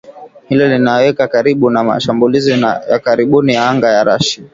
Hilo linawaweka karibu na mashambulizi ya karibuni ya anga ya Russia